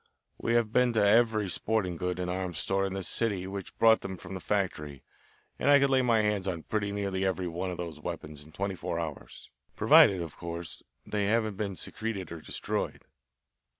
"We have been to every sporting goods and arms store in the city which bought them from the factory, and I could lay my hands on pretty nearly every one of those weapons in twenty four hours provided, of course, they haven't been secreted or destroyed."